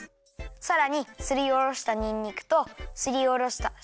さらにすりおろしたにんにくとすりおろしたしょうがをいれます。